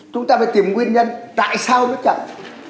chúng ta phải tìm nguyên nhân tại sao nó chậm